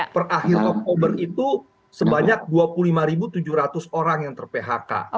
per akhir oktober itu sebanyak dua puluh lima tujuh ratus orang yang ter phk